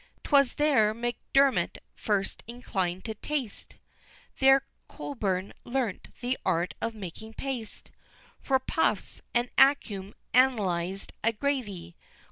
'Twas there M'Dermot first inclin'd to Taste, There Colborn learn'd the art of making paste For puffs and Accum analyzed a gravy.